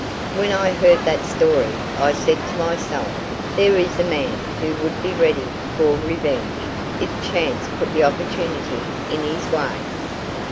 When I heard that story, I said to myself, 'there is a man who would be ready for revenge if chance put the opportunity in his way.'"